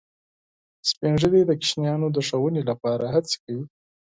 سپین ږیری د ماشومانو د ښوونې لپاره هڅې کوي